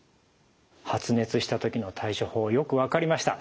発熱した時の対処法よく分かりました。